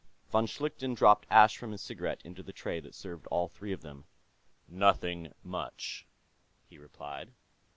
Von Schlichten dropped ash from his cigarette into the tray that served all three of them. "Nothing much," he replied.